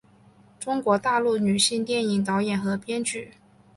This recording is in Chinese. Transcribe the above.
中国大陆女性电影导演和编剧。